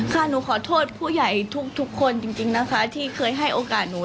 หนูขอโทษผู้ใหญ่ทุกคนจริงนะคะที่เคยให้โอกาสหนู